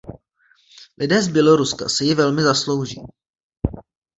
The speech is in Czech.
Lidé z Běloruska si ji velmi zaslouží.